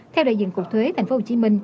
theo đại diện cục thuế tp hcm